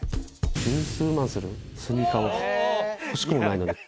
十数万するスニーカーを欲しくもないのに。